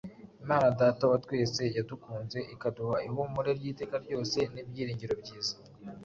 Imana Data wa twese yadukunze, ikaduha ihumure ry’iteka ryose n’ibyiringiro byiza,